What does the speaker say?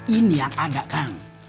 ini yang ada kang